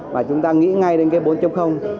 mà chúng ta nghĩ ngay đến cái bốn